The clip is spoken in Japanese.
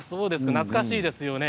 懐かしいですよね。